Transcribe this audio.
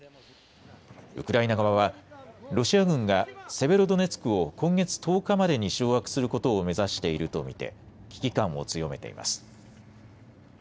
ウクライナ側はロシア軍がセベロドネツクを今月１０日までに掌握することを目指していると見て危機感を強めています。